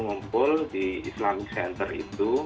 ngumpul di islamic center itu